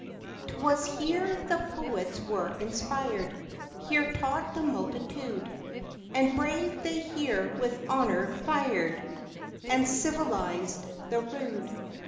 'T was here the poets were inspir'd Here taught the multitude ; And brave they here with honor fir'd And civilized the rude.